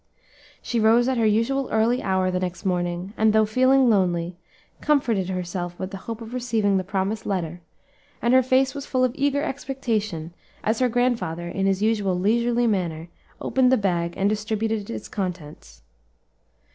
She rose at her usual early hour the next morning, and though feeling lonely, comforted herself with the hope of receiving the promised letter; and her face was full of eager expectation, as her grandfather, in his usual leisurely manner, opened the bag and distributed its contents.